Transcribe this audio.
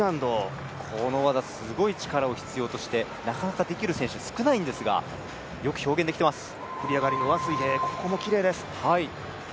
この技、すごい力を必要としてなかなかできる選手、少ないんですがよく表現できています。